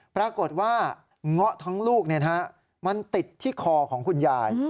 ปรากฏว่าเงาะทั้งลูกมันติดที่คอของคุณยาย